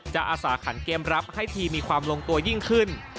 อาสาขันเกมรับให้ทีมมีความลงตัวยิ่งขึ้น